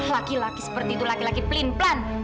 laki laki seperti itu laki laki pelin pelan